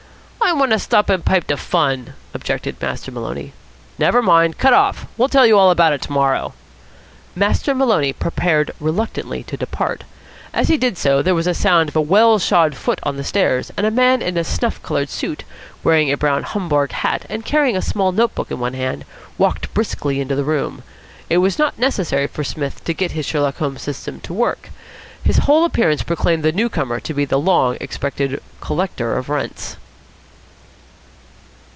"I want to stop and pipe de fun," objected Master Maloney. "Never mind. Cut off. We'll tell you all about it to morrow." Master Maloney prepared reluctantly to depart. As he did so there was a sound of a well shod foot on the stairs, and a man in a snuff coloured suit, wearing a brown Homburg hat and carrying a small notebook in one hand, walked briskly into the room. It was not necessary for Psmith to get his Sherlock Holmes system to work. His whole appearance proclaimed the new comer to be the long expected collector of rents.